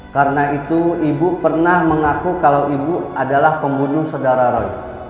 karena itu ibu pernah mengaku kalau ibu adalah pembunuh saudara roy